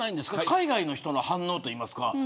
海外の人の反応といいますか。